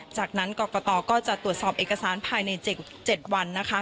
จากนั้นกรกตก็จะตรวจสอบเอกสารภายใน๗วันนะคะ